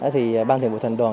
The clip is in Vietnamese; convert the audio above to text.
thì ban thuyền bộ thành đoàn